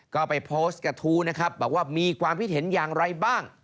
ก็ไปโพสต์กระทู้นะครับบอกว่ามีความคิดเห็นอย่างไรบ้าง